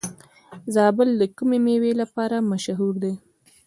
زابل د کومې میوې لپاره مشهور دی؟